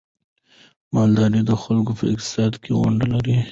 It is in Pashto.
مالداري د خلکو په اقتصاد کې ونډه لري.